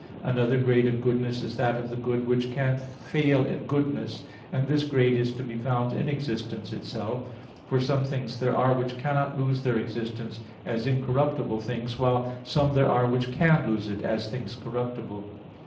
Another grade of goodness is that of the good which can fail in goodness, and this grade is to be found in existence itself; for some things there are which cannot lose their existence as incorruptible things, while some there are which can lose it, as things corruptible.